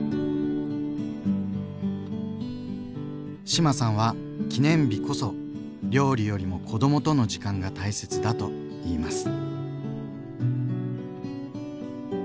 志麻さんは記念日こそ料理よりも子どもとの時間が大切だと言います。